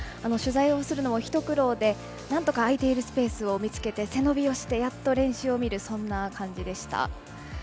取材をするのも一苦労でなんとか空いているスペースを見つけて背伸びをしてやっと練習を見るそんな感じでした。